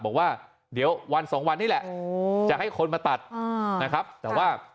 บอกว่าเดี๋ยววันสองวันนี้แหละจะให้คนมาตัดนะครับแต่ว่า